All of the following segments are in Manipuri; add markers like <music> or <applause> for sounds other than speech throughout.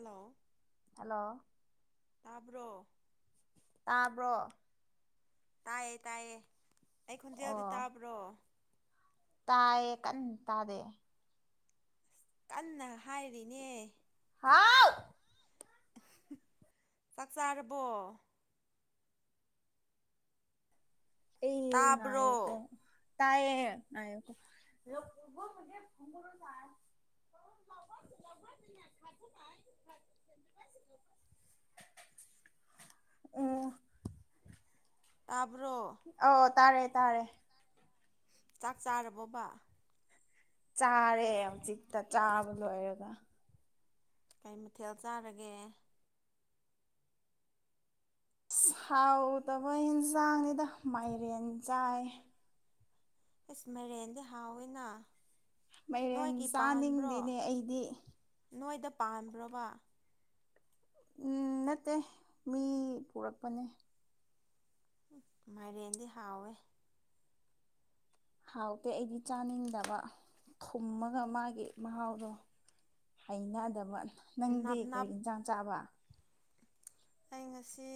ꯍꯜꯂꯣ ꯍꯜꯂꯣ ꯇꯥꯕ꯭ꯔꯣ ꯇꯥꯕ꯭ꯔꯣ ꯇꯥꯏꯌꯦ ꯇꯥꯏꯌꯦ ꯑꯩ ꯈꯣꯟꯖꯦꯜꯗꯣ ꯑꯣ ꯇꯥꯕ꯭ꯔꯣ ꯇꯥꯏꯌꯦ ꯀꯟꯅ ꯇꯥꯗꯦ ꯀꯟꯅ ꯍꯥꯏꯔꯤꯅꯦ ꯍꯥꯎ ꯆꯥꯛ ꯆꯥꯔꯕꯣ ꯑꯩ ꯇꯥꯕ꯭ꯔꯣ ꯉꯥꯏꯌꯣꯀꯣ ꯇꯥꯏꯌꯦ <inaudible> ꯑꯣ ꯇꯥꯕ꯭ꯔꯣ ꯑꯧ ꯑꯧ ꯇꯥꯔꯦ ꯇꯥꯔꯦ ꯆꯥꯛ ꯆꯥꯔꯕꯣꯕ ꯆꯥꯔꯦ ꯍꯨꯖꯤꯛꯇ ꯆꯥꯕ ꯂꯣꯏꯔꯒ ꯀꯩ ꯃꯊꯦꯜ ꯆꯥꯔꯒꯦ ꯑꯁ ꯍꯥꯎꯇꯕ ꯏꯪꯖꯥꯡꯅꯤꯗ ꯃꯥꯏꯔꯦꯟ ꯆꯥꯏ ꯏꯁ ꯃꯩꯔꯦꯟꯗꯤ ꯍꯥꯎꯋꯤꯅ ꯃꯩꯔꯦꯟ ꯅꯣꯏꯒꯤ ꯄꯥꯟꯕ꯭ꯔꯣ ꯆꯥꯅꯤꯡꯗꯦꯅꯦ ꯑꯩꯗꯤ ꯅꯣꯏꯗ ꯄꯥꯟꯕ꯭ꯔꯕꯥ ꯎꯝ ꯅꯠꯇꯦ ꯃꯤ ꯄꯨꯔꯛꯄꯅꯦ ꯃꯥꯏꯔꯦꯟꯗꯤ ꯍꯥꯎꯋꯦ ꯍꯥꯎꯇꯦ ꯑꯩꯗꯤ ꯆꯥꯅꯤꯡꯗꯕ ꯊꯨꯝꯃꯒ ꯃꯥꯒꯤ ꯃꯍꯥꯎꯗꯣ ꯍꯩꯅꯗꯕ ꯅꯪꯗꯤ ꯅꯞ ꯀꯔꯤ ꯅꯞ ꯏꯪꯖꯥꯡ ꯆꯥꯕ ꯑꯩ ꯉꯁꯤ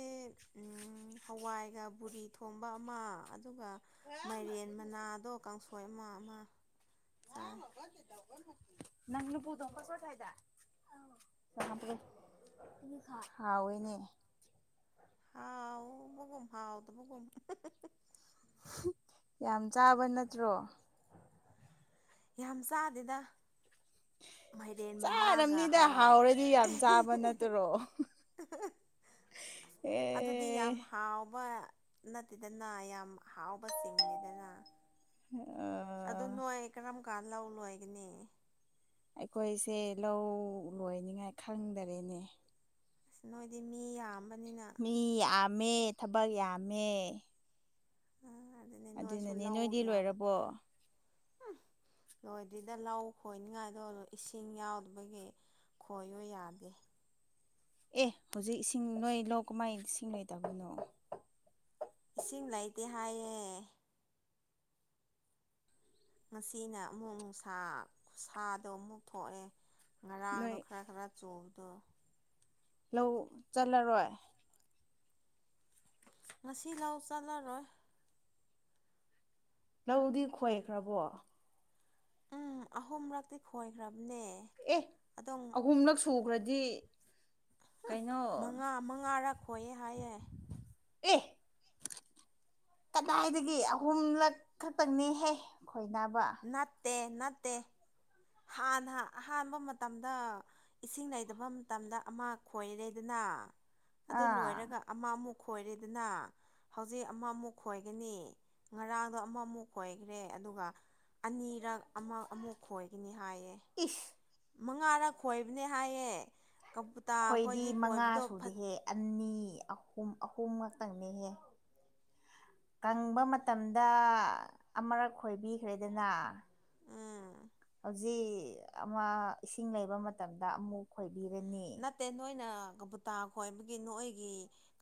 ꯑꯝ ꯍꯋꯥꯏꯒ ꯕꯨꯔꯤ ꯊꯣꯡꯕ ꯑꯃ ꯑꯗꯨꯒ ꯃꯥꯏꯔꯦꯟ ꯃꯅꯥꯗꯣ ꯀꯥꯡꯁꯣꯏ ꯑꯃ ꯑꯃ ꯆꯥꯏ <unintelligible> <unintelligible> ꯍꯥꯎꯋꯦꯅꯦ ꯍꯥꯎꯕꯒꯨꯝ ꯍꯥꯎꯇꯕꯒꯨꯝ ꯌꯥꯝ ꯆꯥꯕ ꯅꯠꯇ꯭ꯔꯣ ꯌꯥꯝ ꯆꯥꯗꯦꯗ ꯃꯩꯔꯦꯟ ꯃꯅꯥꯒ ꯆꯥꯔꯝꯅꯤꯗ ꯍꯋꯥꯏ ꯍꯥꯎꯔꯗꯤ ꯌꯥꯝ ꯆꯥꯕ ꯅꯠꯇ꯭ꯔꯣ ꯑꯗꯨꯗꯤ ꯌꯥꯝ ꯑꯦ ꯍꯥꯎꯕ ꯅꯠꯇꯦꯗꯅ ꯌꯥꯝ ꯍꯥꯎꯕ ꯆꯤꯡꯗꯦꯗꯅ <unintelligible> ꯑꯗꯣ ꯅꯣꯏ ꯀꯔꯝ ꯀꯥꯟ ꯂꯧ ꯂꯣꯏꯒꯅꯤ ꯑꯩꯈꯣꯏꯁꯦ ꯂꯧ ꯂꯣꯏꯅꯤꯉꯥꯏ ꯈꯪꯗꯔꯦꯅꯦ ꯅꯣꯏꯗꯤ ꯃꯤ ꯌꯥꯝꯕꯅꯤꯅ ꯃꯤ ꯌꯥꯝꯃꯦ ꯊꯕꯛ ꯌꯥꯝꯃꯦ ꯑꯥ ꯑꯗꯨꯅꯤ ꯅꯣꯏꯁꯨ ꯑꯗꯨꯅꯅꯦ ꯂꯧ ꯅꯣꯏꯗꯤ ꯌꯥꯝ ꯂꯣꯏꯔꯕꯣ ꯂꯣꯏꯗ꯭ꯔꯤꯗ ꯂꯧ ꯈꯣꯏꯅꯤꯡꯉꯥꯏꯗꯣ ꯏꯁꯤꯡ ꯌꯥꯎꯗꯕꯒꯤ ꯈꯣꯏꯌꯨ ꯌꯥꯗꯦ ꯑꯦ ꯍꯧꯖꯤꯛ ꯏꯁꯤꯡ ꯅꯣꯏ ꯂꯧ ꯀꯃꯥꯏ ꯏꯁꯤꯡ ꯂꯩꯇꯕꯅꯣ ꯏꯁꯤꯡ ꯂꯩꯇꯦ ꯍꯥꯏꯌꯦ ꯉꯁꯤꯅ ꯑꯃꯨꯛ ꯅꯨꯡꯁꯥ ꯈꯨꯁꯥꯗꯣ ꯑꯃꯨꯛ ꯊꯣꯛꯑꯦ ꯉꯔꯥꯡꯗꯣ ꯅꯣꯏ ꯈꯔ ꯈꯔ ꯆꯨꯕꯗꯣ ꯂꯧ ꯆꯠꯂꯔꯣꯏ ꯉꯁꯤ ꯂꯧ ꯆꯠꯂꯔꯣꯏ ꯂꯧꯗꯤ ꯈꯣꯏꯈ꯭ꯔꯕꯣ ꯎꯝ ꯑꯍꯨꯝꯔꯛꯇꯤ ꯈꯣꯏꯈ꯭ꯔꯝꯅꯦ ꯑꯦ ꯑꯍꯨꯝꯂꯛ ꯁꯨꯈ꯭ꯔꯗꯤ ꯀꯩꯅꯣ ꯃꯉꯥ ꯃꯉꯥꯔꯛ ꯈꯣꯏꯌꯦ ꯍꯥꯏꯌꯦ ꯑꯦ ꯀꯗꯥꯏꯗꯒꯤ ꯑꯍꯨꯝꯂꯛ ꯈꯛꯇꯪꯅꯦꯍꯦ ꯈꯣꯏ ꯅꯕ ꯅꯠꯇꯦ ꯅꯠꯇꯦ ꯍꯥꯟꯅ ꯑꯍꯥꯟꯕ ꯃꯇꯝꯗ ꯏꯁꯤꯡ ꯂꯩꯇꯕ ꯃꯇꯝꯗ ꯑꯃ ꯈꯣꯏꯔꯦꯗꯅ ꯑꯗꯨ ꯑꯥ ꯂꯣꯏꯔꯒ ꯑꯃ ꯑꯃꯨꯛ ꯈꯣꯏꯔꯦꯗꯅ ꯍꯧꯖꯤꯛ ꯑꯃꯃꯨꯛ ꯈꯣꯏꯒꯅꯤ ꯉꯔꯥꯡꯗꯣ ꯑꯃꯃꯨꯛ ꯈꯣꯏꯈ꯭ꯔꯦ ꯑꯗꯨꯒ ꯑꯅꯤꯔꯛ ꯑꯃ ꯑꯃꯨꯛ ꯈꯣꯏꯒꯅꯤ ꯍꯥꯏꯌꯦ ꯏꯁ ꯃꯉꯥꯔꯛ ꯈꯣꯏꯕꯅꯤ ꯍꯥꯏꯌꯦ ꯀꯕꯨꯨꯇꯥ ꯑꯩꯈꯣꯏꯗꯤ ꯈꯣꯏꯗꯤ ꯃꯉꯥ ꯈꯣꯏꯕꯗꯣ ꯐꯠ ꯁꯨꯗꯦꯍꯦ ꯑꯅꯤ ꯑꯍꯨꯝ ꯑꯍꯨꯝ ꯉꯥꯛꯇꯪꯅꯤꯍꯦ ꯀꯪꯕ ꯃꯇꯝꯗ ꯑꯃꯔꯛ ꯈꯣꯏꯕꯤꯈ꯭ꯔꯦꯗꯅ ꯎꯝ ꯍꯧꯖꯤꯛ ꯑꯃ ꯏꯁꯤꯡ ꯂꯩꯕ ꯃꯇꯝꯗ ꯑꯃꯨꯛ ꯈꯣꯏꯕꯤꯔꯅꯤ ꯅꯠꯇꯦ ꯅꯣꯏꯅ ꯀꯕꯨꯇꯥ ꯈꯣꯏꯕꯒꯤ ꯅꯣꯏꯒꯤ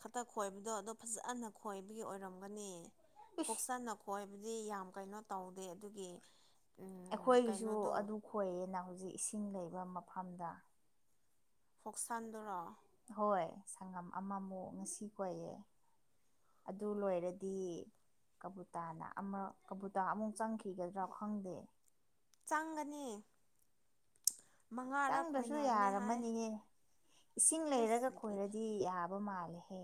ꯈꯇ ꯈꯣꯏꯕꯗꯣ ꯑꯗꯣ ꯐꯖꯅ ꯈꯣꯏꯕꯒꯤ ꯑꯣꯏꯔꯝꯒꯅꯤ ꯏꯁ ꯐꯣꯛꯁꯟꯅ ꯈꯣꯢꯕꯗꯤ ꯌꯥꯝ ꯀꯩꯅꯣ ꯇꯧꯗꯦ ꯑꯗꯨꯒꯤ ꯑꯩꯈꯣꯏꯒꯤꯁꯨ ꯀꯩꯅꯣꯗꯣ ꯑꯗꯨ ꯈꯣꯏꯌꯦꯅ ꯍꯨꯖꯤꯛ ꯏꯁꯤꯡ ꯂꯩꯕ ꯃꯐꯝꯗ ꯐꯣꯛꯁꯟꯗꯨꯔꯣ ꯍꯣꯏ ꯁꯪꯉꯝ ꯑꯃꯃꯨꯛ ꯉꯁꯤ ꯈꯣꯏꯌꯦ ꯑꯗꯨ ꯂꯣꯏꯔꯗꯤ ꯀꯕꯨꯇꯥꯅ ꯑꯃ ꯀꯕꯨꯇꯥ ꯑꯃꯨꯛ ꯆꯪꯈꯤꯒꯗ꯭ꯔꯥ ꯈꯪꯗꯦ ꯆꯪꯒꯅꯤ ꯃꯉꯥꯔꯛ ꯆꯪꯗ꯭ꯔꯁꯨ ꯈꯣꯏꯅꯕꯅꯦ ꯍꯥꯏ ꯌꯥꯔꯝꯃꯅꯤꯌꯦ ꯏꯁꯤꯡ ꯂꯩꯔꯒ ꯏꯁ ꯈꯣꯏꯔꯗꯤ ꯌꯥꯕ ꯃꯥꯜꯂꯦꯍꯦ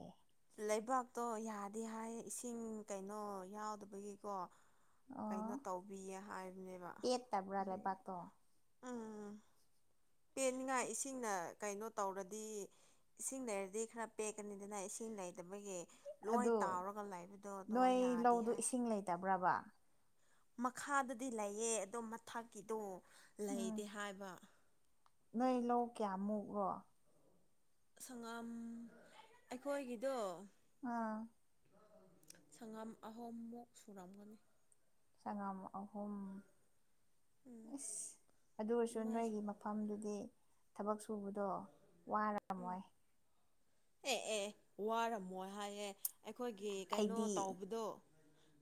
ꯂꯩꯕꯥꯛꯇꯣ ꯌꯥꯗꯦ ꯍꯥꯏꯌꯦ ꯏꯁꯤꯡ ꯀꯩꯅꯣ ꯌꯥꯎꯗꯕꯒꯤꯀꯣ ꯑꯣ ꯀꯩꯅꯣ ꯇꯧꯕꯤꯌꯦ ꯍꯥꯏꯕꯅꯦꯕ ꯄꯦꯠꯇꯕ꯭ꯔꯥ ꯑꯗꯨꯒꯤ ꯂꯩꯕꯥꯛꯇꯣ ꯎꯝ ꯄꯦꯟꯅꯤꯡꯉꯥꯢ ꯏꯁꯤꯡꯅ ꯀꯩꯅꯣ ꯇꯧꯔꯗꯤ ꯏꯁꯤꯡ ꯂꯩꯔꯗꯤ ꯈꯔ ꯄꯦꯛꯀꯅꯤꯗꯅ ꯏꯁꯤꯡ ꯂꯩꯇꯕꯒꯤ ꯂꯣꯏ ꯑꯗꯨ ꯇꯥꯎꯔꯒ ꯂꯩꯕꯗꯣ ꯑꯗꯣ ꯌꯥꯗꯦ ꯍꯥꯏ ꯇꯕ꯭ꯔꯕꯥ ꯃꯈꯥꯗꯗꯤ ꯂꯩꯌꯦ ꯑꯗꯣ ꯃꯊꯛꯀꯤꯗꯣ ꯎꯝ ꯂꯩꯇꯦ ꯍꯥꯏꯕ ꯅꯣꯏ ꯂꯧ ꯀꯌꯥꯃꯨꯛꯔꯣ ꯁꯪꯉꯝ ꯑꯩꯈꯣꯏꯒꯤꯗꯣ ꯑꯥ ꯁꯪꯉꯝ ꯑꯍꯨꯝꯃꯨꯛ ꯁꯨꯔꯝꯒꯅꯤ ꯁꯉꯥꯝ ꯑꯍꯨꯝ ꯎꯝ ꯑꯁ ꯑꯗꯨꯑꯣꯢꯔꯁꯨ ꯅꯣꯏꯒꯤ ꯑꯗꯨꯃꯥꯏꯅ ꯃ ꯐꯝꯗꯨꯗꯤ ꯊꯕꯛ ꯁꯨꯕꯗꯣ ꯋꯥꯔ ꯎꯝ ꯑꯦ ꯑꯦ ꯋꯥꯔꯝꯃꯣꯏ ꯍꯥꯏꯌꯦ ꯑꯩꯈꯣꯏꯒꯤ ꯀꯩꯅꯣ ꯑꯩꯗꯤ ꯇꯧꯕꯗꯣ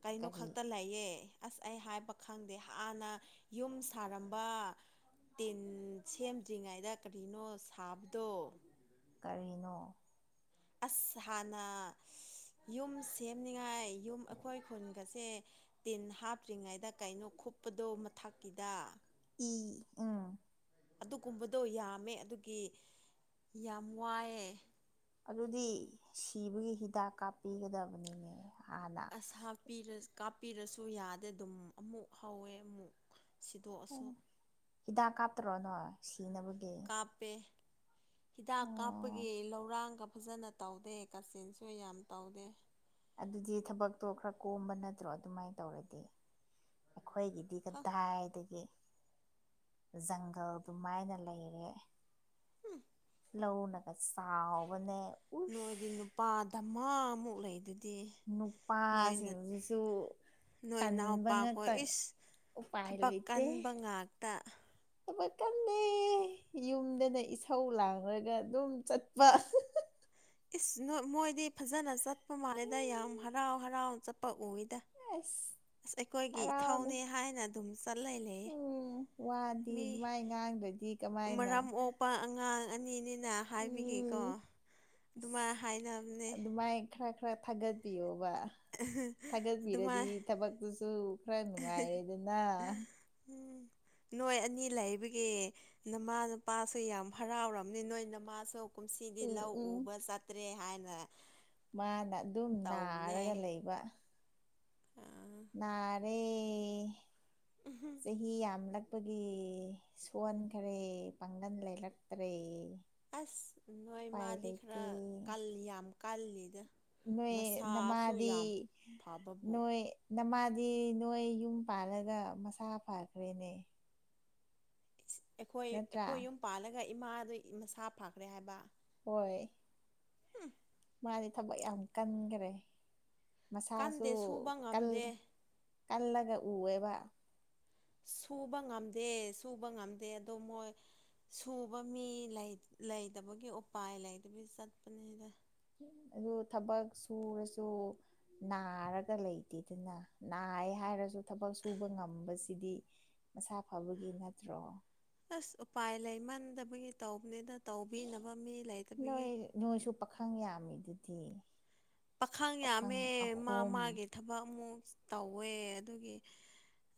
ꯀꯩꯅꯣ ꯀꯔꯤ ꯈꯛꯇ ꯂꯩ ꯌꯦ ꯑꯁ ꯑꯩ ꯍꯥꯏꯕ ꯈꯪꯗꯦ ꯍꯥꯟꯅ ꯌꯨꯝ ꯁꯥꯔꯝꯕ ꯇꯤꯟ ꯁꯦꯝꯗ꯭ꯔꯤꯉꯩꯗ ꯀꯔꯤꯅꯣ ꯁꯥꯕꯗꯣ ꯀꯔꯤꯅꯣ ꯑꯁ ꯍꯥꯟꯅ ꯌꯨꯝ ꯁꯦꯝꯅꯤꯡꯉꯥꯏ ꯌꯨꯝ ꯑꯩꯈꯣꯏ ꯈꯨꯟꯒꯁꯦ ꯇꯤꯟ ꯍꯥꯞꯇ꯭ꯔꯤꯉꯩꯗ ꯀꯩꯅꯣ ꯈꯨꯨꯞꯄꯗꯣ ꯃꯊꯛꯀꯤꯗ ꯏ ꯎꯝ ꯑꯗꯨꯒꯨꯝꯕꯗꯣ ꯌꯥꯝꯃꯦ ꯑꯗꯨꯒꯤ ꯌꯥꯝ ꯋꯥꯏꯑꯦ ꯑꯗꯨꯗꯤ ꯁꯤꯕꯒꯤ ꯍꯤꯗꯥꯛ ꯀꯥꯞꯄꯤꯒꯗꯕꯅꯤꯅꯦ ꯍꯥꯟꯅ ꯑꯁ ꯍꯥꯞꯄꯤꯔ ꯀꯥꯞꯄꯤꯔꯁꯨ ꯌꯥꯗꯦ ꯑꯗꯨꯝ ꯑꯃꯨꯛ ꯍꯧꯋꯦ ꯑꯃꯨꯛ ꯁꯤꯗꯣꯛꯑꯁꯨ ꯍꯤꯗꯥꯛ ꯀꯥꯞꯇ꯭ꯔꯣ ꯅꯣꯏ ꯁꯤꯅꯕꯒꯤ ꯄꯦ ꯍꯤꯗꯥꯛ ꯑꯣ ꯀꯥꯞꯄꯒꯤ ꯂꯧꯔꯥꯡꯒ ꯐꯖꯅ ꯇꯧꯗꯦ ꯀꯆꯤꯟꯁꯨ ꯌꯥꯝ ꯇꯧꯗꯦ ꯑꯗꯨꯗꯤ ꯊꯕꯛꯇꯣ ꯈꯔ ꯀꯣꯝꯕ ꯅꯠꯇ꯭ꯔꯣ ꯑꯗꯨꯃꯥꯏꯟ ꯇꯧꯔꯗꯤ ꯑꯩꯈꯣꯏꯒꯤꯗꯤ ꯈ ꯀꯗꯥꯏꯗꯒꯤ ꯖꯪꯒꯜ ꯗꯨꯃꯥꯏꯅ ꯂꯩꯔꯦ ꯂꯧꯅꯒꯥ ꯆꯥꯎꯕꯅꯦ ꯎꯁ ꯅꯣꯏꯗꯤ ꯅꯨꯄꯥ ꯙꯃꯥꯃꯨꯛ ꯂꯩꯗꯨꯗꯤ ꯅꯣꯏꯅ ꯅꯨꯄꯥꯁꯤꯡꯖꯤꯖꯨ ꯅꯣꯏ ꯇꯟꯕ ꯏꯅꯥꯎꯄꯥꯈꯣꯏ ꯉꯛꯇꯪ ꯏꯁ ꯎꯄꯥꯏ ꯊꯕꯛ ꯂꯩꯇꯦ ꯀꯟꯕ ꯉꯥꯛꯇ ꯊꯕꯛ ꯀꯜꯂꯦ ꯌꯨꯝꯗꯥꯅ ꯏꯁꯧ ꯂꯥꯡꯂꯒ ꯑꯗꯨꯝ ꯆꯠꯄ ꯏꯁ ꯅꯣ ꯃꯣꯏꯗꯤ ꯐꯖꯅ ꯆꯠꯄ ꯃꯥꯜꯂꯦꯗ ꯌꯥꯝ ꯍꯔꯥꯎ ꯍꯔꯥꯎ ꯆꯠꯄ ꯎꯏꯗꯥ ꯑꯁ ꯑꯁ ꯑꯩꯈꯣꯏꯒꯤ ꯏꯊꯧꯅꯦ ꯍꯔꯥꯎꯅꯩ ꯍꯥꯏꯅ ꯑꯗꯨꯝ ꯆꯠꯂꯦ ꯂꯩꯌꯦ ꯎꯝ ꯋꯥꯗꯤ ꯃꯤ ꯑꯗꯨꯃꯥꯏ ꯉꯥꯡꯗ꯭ꯔꯗꯤ ꯀꯃꯥꯏꯅ ꯃꯔꯝ ꯑꯣꯛꯄ ꯑꯉꯥꯡ ꯑꯅꯤꯅꯤ ꯍꯥꯏꯕꯒꯤꯀꯣ ꯎꯝ ꯗꯨꯃꯥꯏ ꯍꯥꯏꯅꯕꯅꯦ ꯈ꯭ꯔꯥ ꯈ꯭ꯔꯥ ꯊꯥꯒꯠꯄꯤꯌꯣꯕ ꯑꯗꯨꯃꯥꯏ ꯊꯥꯒꯠꯄꯤꯔꯗꯤ ꯊꯕꯛ ꯑꯗꯨꯖꯨ ꯈꯔ ꯅꯨꯡꯉꯥꯏꯔꯦꯗꯅꯥ ꯎꯝ ꯅꯣꯏ ꯑꯅꯤ ꯂꯩꯕꯒꯤ ꯅꯃꯥ ꯅꯄꯥꯁꯨ ꯌꯥꯝ ꯍꯔꯥꯎꯔꯝꯅꯤ ꯅꯣꯏ ꯅꯃꯥꯁꯨ ꯀꯨꯝꯁꯤꯗꯤ ꯎꯝ ꯂꯧ ꯎꯝ ꯎꯕ ꯆꯠꯇ꯭ꯔꯦ ꯍꯥꯏꯅ ꯃꯥꯅ ꯑꯗꯨꯝ ꯇꯧꯕꯅꯦ ꯅꯥꯔꯒ ꯂꯩꯕ ꯑꯥ ꯅꯥꯔꯦ ꯎꯝꯍꯨꯝ ꯆꯍꯤ ꯌꯥꯝꯂꯛ ꯄꯒꯤ ꯁꯣꯟꯈ꯭ꯔꯦ ꯄꯥꯡꯒꯟ ꯂꯩꯔꯛꯇ꯭ꯔꯦ ꯑꯁ ꯅꯣꯏ ꯎꯄꯥꯏ ꯃꯥꯗꯤ ꯈꯔ ꯂꯩꯇꯦ ꯀꯜꯂꯤ ꯌꯥꯝ ꯀꯜꯂꯤꯗ ꯅꯣꯏ ꯃꯁꯥꯁꯨ ꯅꯃꯥꯗꯤ ꯌꯥꯝ ꯐꯕꯕꯨ ꯅꯣꯏ ꯅꯃꯥꯗꯤ ꯅꯣꯏ ꯌꯨꯝ ꯄꯥꯜꯂꯒ ꯃꯁꯥ ꯐꯥꯈ꯭ꯔꯦꯅꯦ ꯏꯁ ꯑꯩꯈꯣꯏ ꯅꯠꯇ꯭ꯔꯥ ꯑꯩꯈꯣꯏ ꯌꯨꯝ ꯄꯥꯜꯂꯒ ꯏꯃꯥꯗꯨ ꯃꯁꯥ ꯐꯥꯈ꯭ꯔꯦ ꯍꯥꯏꯕ ꯍꯣꯏ ꯍꯝ ꯃꯥꯗꯤ ꯊꯕꯛ ꯌꯥꯝ ꯀꯟꯒꯔꯦ ꯃꯁꯥꯁꯨ ꯀꯟꯗꯦ ꯁꯨꯕ ꯀꯜ ꯉꯝꯗꯦ ꯀꯜꯂꯒ ꯎꯋꯦꯕ ꯁꯨꯕ ꯉꯝꯗꯦ ꯁꯨꯕ ꯉꯝꯗꯦ ꯑꯗꯣ ꯃꯣꯏ ꯁꯨꯕ ꯃꯤ ꯂꯩ ꯂꯩꯇꯕꯒꯤ ꯎꯄꯥꯏ ꯂꯩꯇꯕꯩ ꯆꯠꯄꯅꯤꯗ ꯑꯗꯨ ꯊꯕꯛ ꯁꯨꯔꯁꯨ ꯅꯥꯔꯒ ꯂꯩꯇꯦꯗꯅꯥ ꯅꯥꯏ ꯍꯥꯏꯔꯖꯨ ꯊꯕꯛ ꯁꯨꯕ ꯉꯝꯕꯖꯤꯗꯤ ꯃꯁꯥ ꯐꯕꯒꯤ ꯅꯠꯇ꯭ꯔꯣ ꯑꯁ ꯎꯄꯥꯏ ꯂꯩꯃꯟꯗꯕꯒꯤ ꯇꯧꯕꯅꯤꯗ ꯇꯧꯕꯤꯅꯕ ꯃꯤ ꯂꯩꯇꯕꯒꯤ ꯅꯣꯏ ꯅꯣꯏꯁꯨ ꯄꯥꯈꯪ ꯌꯥꯝꯃꯤꯗꯨꯗꯤ ꯄꯥꯈꯪ ꯌꯥꯝꯃꯦ ꯃꯥ ꯃꯥꯒꯤ ꯊꯕꯛ ꯑꯃꯨꯛ ꯇꯧꯋꯦ ꯑꯗꯨꯒꯤ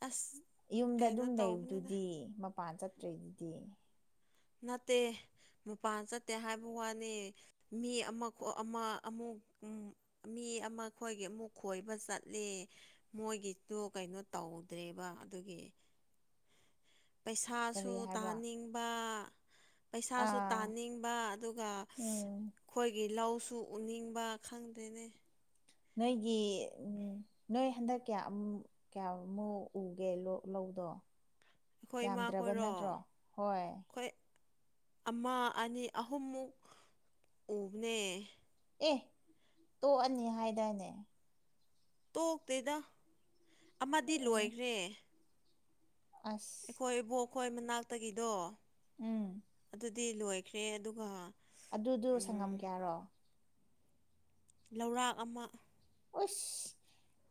ꯑꯁ ꯏꯌꯨꯝꯗ ꯀꯩꯅꯣ ꯑꯗꯨꯝ ꯇꯧꯕꯅꯤꯗ ꯂꯩꯕꯗꯨꯗꯤ ꯃꯄꯥꯟ ꯆꯠꯇ꯭ꯔꯦꯗꯨꯗꯤ ꯅꯠꯇꯦ ꯃꯄꯥꯟ ꯆꯠꯇꯦ ꯍꯥꯏꯕ ꯋꯥꯅꯤ ꯃꯤ ꯑꯃ ꯈꯣ ꯑꯃ ꯑꯃꯨꯛ ꯎꯝ ꯃꯤ ꯑꯃ ꯈꯣꯏꯒꯤ ꯑꯃꯨꯛ ꯈꯣꯏꯕ ꯆꯠꯂꯦ ꯃꯣꯏꯒꯤꯗꯨ ꯀꯩꯅꯣ ꯇꯧꯗ꯭ꯔꯦꯕ ꯑꯗꯨꯒꯤ ꯄꯩꯁꯥꯁꯨ ꯀꯔꯤ ꯍꯥꯏꯕ ꯇꯥꯅꯤꯡꯕ ꯄꯩꯁꯥꯁꯨ ꯑꯥ ꯇꯥꯅꯤꯡꯕ ꯑꯗꯨꯒ ꯎꯝ ꯈꯣꯏꯒꯤ ꯂꯧꯁꯨ ꯎꯅꯤꯡꯕ ꯈꯪꯗꯦꯅꯦ ꯅꯣꯏꯒꯤ ꯎꯝ ꯅꯣꯏ ꯍꯟꯗꯛ ꯀꯌꯥ ꯑꯝ ꯀ꯭ꯌꯥꯃꯨꯛ ꯎꯒꯦ ꯂꯣꯛ ꯂꯧꯗꯣ ꯑꯩꯈꯣꯏ ꯌꯥꯝꯗ꯭ꯔꯕ ꯏꯃꯥꯈꯣꯏꯔꯣ ꯅꯠꯇ꯭ꯔꯣ ꯍꯣꯢ ꯑꯩꯈꯣꯏ ꯑꯃ ꯑꯅꯤ ꯑꯍꯨꯝꯃꯨꯛ ꯎꯕꯅꯦ ꯑꯦ ꯇꯣꯛꯑꯅꯤ ꯍꯥꯢꯗꯥꯢꯅꯦ ꯇꯣꯛꯇꯦꯗ ꯑꯃꯗꯤ ꯑꯣ ꯂꯣꯢꯈ꯭ꯔꯦ ꯑꯁ ꯈꯣꯢ ꯏꯕꯣꯛꯈꯣꯢ ꯃꯅꯥꯛꯇꯒꯤꯗꯣ ꯎꯝ ꯑꯗꯨꯗꯤ ꯂꯣꯢꯈ꯭ꯔꯦ ꯑꯗꯨꯒ ꯑꯗꯨꯗꯨ ꯁꯪꯉꯝ ꯀꯌꯥꯔꯣ ꯂꯧꯔꯥꯛ ꯑꯃ ꯎꯏꯁ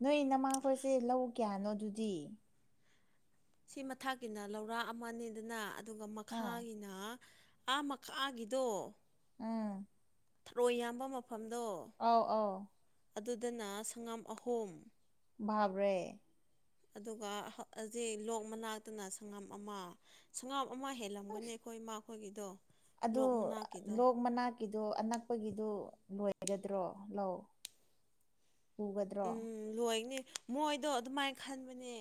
ꯅꯣꯢ ꯅꯃꯥꯈꯣꯢꯁꯦ ꯂꯧ ꯀꯌꯥꯅꯣ ꯑꯗꯨꯗꯤ ꯁꯤ ꯃꯊꯛꯀꯤꯅ ꯂꯧꯔꯥꯛ ꯑꯃꯅꯤꯗꯅꯥ ꯑꯗꯨꯒ ꯑꯥ ꯃꯈꯥꯒꯤꯅꯥ ꯑꯥ ꯃꯈꯥꯒꯤꯗꯣ ꯎꯝ ꯊꯔꯣꯢ ꯌꯥꯝꯕ ꯃꯐꯝꯗꯣ ꯑꯥꯎ ꯑꯥꯎ ꯑꯗꯨꯗꯅꯥ ꯁꯪꯉꯝ ꯑꯍꯨꯝ ꯕꯥꯕ꯭ꯔꯦ ꯑꯗꯨꯒ ꯍꯥ ꯑꯖꯤꯛ ꯂꯣꯛ ꯃꯅꯥꯛꯇꯅ ꯁꯪꯉꯝ ꯑꯃ ꯁꯪꯉꯝ ꯑꯃ ꯍꯦꯜꯂꯝꯒꯅꯤ ꯑꯩꯈꯣꯢ ꯃꯥꯈꯣꯢꯒꯤꯗꯣ ꯑꯗꯣ ꯂꯣꯛ ꯃꯅꯥꯛ ꯒꯤꯗꯣ ꯑꯅꯛꯄꯒꯤꯗꯣ ꯂꯣꯢꯒꯗ꯭ꯔꯣ ꯂꯧ ꯎꯒꯗ꯭ꯔꯣ ꯂꯣꯢꯅꯤ ꯃꯣꯢꯗꯣ ꯑꯗꯨꯃꯥꯢ ꯈꯟꯕꯅꯦ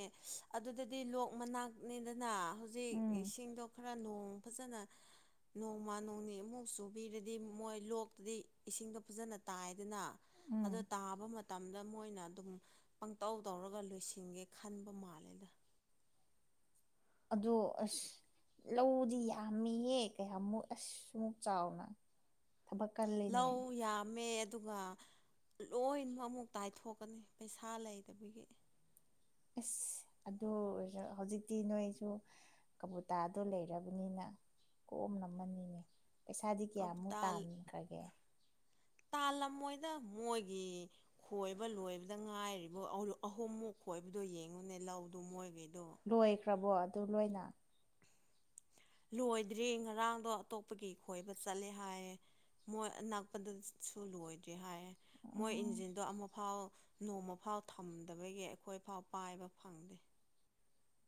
ꯑꯗꯨꯗꯗꯤ ꯂꯣꯛ ꯃꯅꯥꯛꯅꯤꯗꯅꯥ ꯍꯧꯖꯤꯛ ꯎꯝ ꯏꯁꯤꯡꯗꯣ ꯈꯔ ꯅꯣꯡ ꯐꯖꯅ ꯅꯣꯡꯃ ꯅꯣꯡꯅꯤ ꯑꯃꯨꯛ ꯆꯨꯕꯤꯔꯗꯤ ꯃꯣꯢ ꯂꯣꯛꯇꯗꯤ ꯏꯁꯤꯡꯗꯣ ꯐꯖꯅ ꯇꯥꯏꯌꯦꯗꯅ ꯑꯗꯣ ꯎꯝ ꯇꯥꯕ ꯃ ꯇꯝꯗ ꯃꯣꯢꯅ ꯑꯗꯨꯝ ꯄꯪꯇꯧ ꯇꯧꯔꯒ ꯂꯣꯢꯁꯤꯟꯒꯦ ꯈꯟꯕ ꯃꯥꯜꯂꯤ ꯑꯗꯣ ꯑꯁ ꯂꯧꯗꯤ ꯌꯥꯝꯃꯤꯌꯦ ꯀꯌꯥꯃꯨꯛ ꯑꯁ ꯃꯨꯛ ꯆꯥꯎꯅ ꯊꯕꯛ ꯀꯜ ꯂꯧ ꯌꯥꯝꯃꯦ ꯑꯗꯨꯒ ꯂꯣꯢꯅ ꯑꯃꯨꯛ ꯇꯥꯢꯊꯣꯛꯀꯅꯤ ꯄꯩꯁꯥ ꯂꯩꯇꯕꯒꯤ ꯑꯁ ꯑꯗꯣ ꯑꯣꯢꯖꯨ ꯍꯧꯖꯤꯛꯇꯤ ꯅꯣꯢꯖꯨ ꯀꯕꯨꯇꯥꯗꯣ ꯂꯩꯔꯕꯅꯤꯅ ꯀꯣꯝꯅ ꯃꯝꯃꯤꯅꯦ ꯄꯩꯁꯥꯗꯤ ꯀꯌꯥꯃꯨꯛ ꯇꯥꯟꯈ꯭ꯔꯒꯦ ꯇꯥꯜꯂꯝꯃꯣꯢꯗ ꯃꯣꯢꯒꯤ <unintelligible> ꯂꯣꯢꯈ꯭ꯔꯕꯣ ꯑꯗꯣ ꯂꯣꯢꯅ ꯂꯣꯢꯗ꯭ꯔꯤ ꯉꯔꯥꯡꯗꯣ ꯑꯇꯣꯞꯄꯒꯤ ꯈꯣꯢꯕ ꯆꯠꯂꯦ ꯍꯥꯢꯌꯦ ꯃꯣꯏ ꯑꯅꯛꯄꯗ ꯁꯨ ꯂꯣꯏꯗ꯭ꯔꯤ ꯍꯥꯢꯌꯦ ꯃꯣꯢ ꯎꯝ ꯏꯟꯖꯤꯟꯗꯣ ꯑꯃꯨꯛꯐꯥꯎ ꯅꯣꯡꯃ ꯐꯥꯎ ꯊꯝꯗꯕꯒꯤ ꯑꯩꯈꯣꯢꯐꯥꯎ ꯄꯥꯢꯕ ꯐꯪꯗꯦ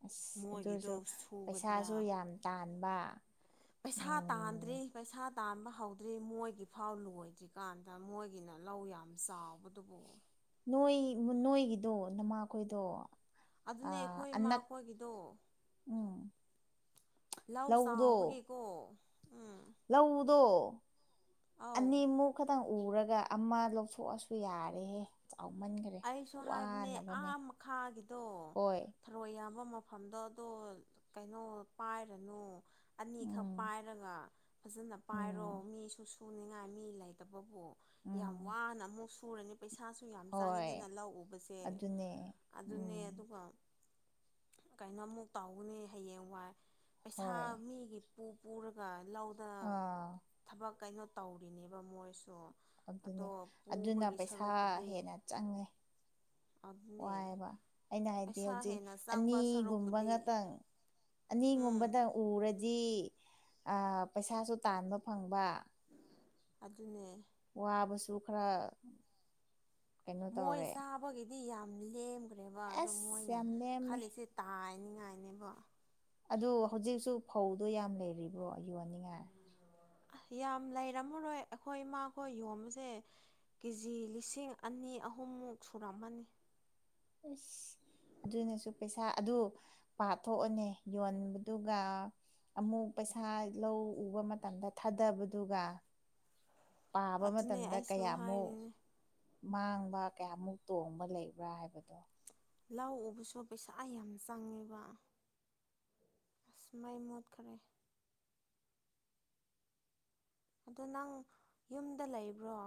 ꯑꯁ ꯃꯣꯏꯒꯤꯗꯣ ꯑꯗꯨꯖꯨ ꯁꯨꯒꯗ꯭ꯔꯥ ꯄꯩꯁꯥꯖꯨ ꯌꯥꯝ ꯇꯥꯟꯕ ꯄꯩꯁꯥ ꯇꯥꯟꯗ꯭ꯔꯦ ꯎꯝ ꯄꯩꯁꯥ ꯇꯥꯟꯕ ꯍꯧꯗ꯭ꯔꯤ ꯃꯣꯢꯒꯤ ꯐꯥꯎ ꯂꯣꯢꯗ꯭ꯔꯤꯀꯥꯟꯗ ꯃꯣꯢꯒꯤꯅ ꯂꯧ ꯌꯥꯝ ꯆꯥꯎꯕꯗꯨꯕꯨ ꯅꯣꯢ ꯅꯣꯢꯒꯤꯗꯣ ꯅꯃꯥꯈꯣꯢꯗꯣ ꯑꯗꯨꯅꯦ ꯑꯈꯣꯢ ꯃꯥꯈꯣꯢꯒꯤꯗꯣ ꯎꯝ ꯂꯧ ꯂꯧꯗꯣ ꯆꯥꯎꯕꯒꯤꯀꯣ ꯎꯝ ꯂꯧꯗꯣ ꯑꯧ ꯑꯅꯤꯃꯨꯛ ꯈꯇꯪ ꯎꯔꯒ ꯑꯃ ꯂꯧꯊꯣꯛꯑꯁꯨ ꯌꯥꯔꯦꯍꯦ ꯆꯥꯎꯃꯟꯒꯔꯦ ꯑꯩꯁꯨ ꯍꯥꯏꯕꯅꯦ ꯑꯥ ꯃꯈꯥꯒꯤꯗꯣ ꯍꯣꯏ ꯊꯔꯣꯏ ꯌꯥꯝꯕ ꯃꯐꯝꯗꯣ ꯑꯗꯣ ꯀꯩꯅꯣ ꯄꯥꯏꯔꯅꯨ ꯑꯅꯤꯈꯛ ꯎꯝ ꯄꯥꯏꯔꯒ ꯐꯖꯅ ꯎꯝ ꯄꯥꯏꯔꯣ ꯃꯤꯁꯨ ꯁꯨꯅꯤꯡꯉꯥꯏ ꯃꯤ ꯂꯩꯇꯕꯕꯨ ꯌꯥꯝ ꯎꯝ ꯋꯥꯅ ꯑꯃꯨꯛ ꯁꯨꯔꯅꯤ ꯄꯩꯁꯥꯁꯨ ꯌꯥꯝ ꯍꯣꯏ ꯇꯥꯡꯉꯤꯗꯅ ꯂꯧ ꯎꯕꯁꯦ ꯑꯗꯨꯅꯦ ꯑꯗꯨꯅꯦ ꯎꯝ ꯑꯗꯨꯒ ꯀꯩꯅꯣ ꯑꯃꯨꯛ ꯇꯥꯎꯒꯅꯤ ꯍꯌꯦꯡꯋꯥꯏ ꯄꯩꯁꯥ ꯍꯣꯏ ꯃꯤꯒꯤ ꯄꯨ ꯄꯨꯔꯒ ꯂꯧꯗ ꯑꯥ ꯊꯕꯛ ꯀꯩꯅꯣ ꯇꯧꯔꯤꯅꯦꯕ ꯃꯣꯏꯁꯨ ꯑꯗꯨꯅꯦ ꯑꯗꯣ ꯑꯗꯨꯅ ꯄꯨꯕꯒꯤ ꯄꯩꯁꯥ ꯁꯔꯨꯛꯄꯨꯗꯤ ꯍꯦꯟꯅ ꯆꯪꯉꯦ ꯑꯗꯨꯅꯦ ꯋꯥꯏꯑꯦꯕ ꯑꯩꯅ ꯍꯥꯏꯗꯤ ꯄꯩꯁꯥ ꯍꯧꯖꯤꯛ ꯍꯦꯟꯅ ꯆꯪꯕ ꯑꯅꯤꯒꯨꯝꯕ ꯁꯔꯨꯛꯄꯨꯗꯤ ꯉꯇꯪ ꯎꯝ ꯑꯅꯤꯒꯨꯝꯕꯗ ꯎꯔꯗꯤ ꯑꯥ ꯄꯩꯁꯥꯁꯨ ꯇꯥꯟꯕ ꯐꯪꯕ ꯑꯗꯨꯅꯦ ꯋꯥꯕꯁꯨ ꯈꯔ ꯀꯩꯅꯣ ꯃꯣꯏ ꯇꯧꯔꯦ ꯆꯥꯕꯒꯤꯗꯤ ꯌꯥꯝ ꯂꯦꯝꯒ꯭ꯔꯦꯕ ꯑꯗꯣ ꯑꯁ ꯃꯣꯏꯅ ꯌꯥꯝ ꯂꯦꯝꯃꯦ ꯈꯜꯂꯤꯁꯦ ꯇꯥꯏꯅꯤꯉꯥꯏꯅꯦꯕ ꯑꯗꯨ ꯍꯧꯖꯤꯛꯁꯨ ꯐꯧꯗꯣ ꯌꯥꯝ ꯂꯩꯔꯤꯕ꯭ꯔꯣ ꯌꯣꯟꯅꯤꯡꯉꯥꯏ ꯌꯥꯝ ꯂꯩꯔꯝꯃꯔꯣꯏ ꯑꯈꯣꯏ ꯏꯃꯥꯈꯣꯏ ꯌꯣꯝꯕꯁꯦ ꯀꯦꯖꯤ ꯂꯤꯁꯤꯡ ꯑꯅꯤ ꯑꯍꯨꯝꯃꯨꯛ ꯁꯨꯔꯝꯃꯅꯤ ꯑꯁ ꯑꯗꯨꯅꯁꯨ ꯄꯩꯁꯥ ꯑꯗꯨ ꯄꯥꯊꯣꯛꯑꯅꯤ ꯌꯣꯟꯕꯗꯨꯒ ꯑꯃꯨꯛ ꯄꯩꯁꯥ ꯂꯧ ꯎꯕ ꯃꯇꯝꯗ ꯊꯥꯗꯕꯗꯨꯒ <inaudible> ꯄꯥꯕ ꯑꯗꯨꯅꯦ ꯃꯇꯝꯗ ꯑꯩꯁꯨ ꯀꯌꯥꯃꯨꯛ ꯍꯥꯏꯔꯤꯅꯦ ꯃꯥꯡꯕ ꯀꯌꯥꯃꯨꯛ ꯇꯣꯡꯕ ꯂꯩꯕ꯭ꯔꯥ ꯍꯥꯏꯕ ꯂꯧ ꯎꯕꯁꯨ ꯄꯩꯁꯥ ꯌꯥꯝ ꯆꯪꯉꯦꯕ ꯑꯁ ꯃꯩ ꯃꯨꯠꯈꯔꯦ ꯑꯗꯣ ꯅꯪ ꯌꯨꯝꯗ ꯂꯩꯕ꯭ꯔꯣ